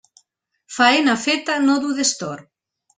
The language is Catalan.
Faena feta no du destorb.